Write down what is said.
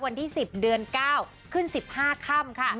วันที่๑๐เดือน๙ขึ้น๑๕ค่ำค่ะ